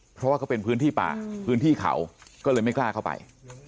เพราะว่าเขาเป็นพื้นที่ป่าพื้นที่เขาก็เลยไม่กล้าเข้าไป